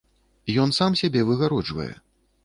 Ён сам сябе выгароджвае.